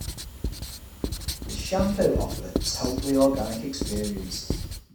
The shampoo offered "a totally organic experience".